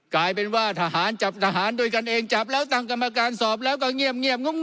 กลายเป็นว่าทหารจับทหารด้วยกันเองจับแล้วตั้งกรรมการสอบแล้วก็เงียบงบ